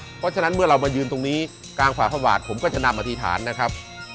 เพราะฉะนั้นเมื่อเรามายืนตรงนี้กลางฝ่าพระบาทผมก็จะนำอธิษฐานนะครับ